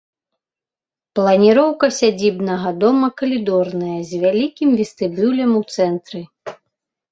Планіроўка сядзібнага дома калідорная, з вялікім вестыбюлем у цэнтры.